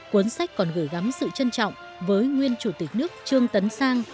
cuốn sách còn gửi gắm sự trân trọng với nguyên chủ tịch nước trương tấn sang